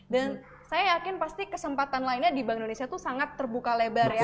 dan saya yakin pasti kesempatan lainnya di bank indonesia itu sangat terbuka lebar ya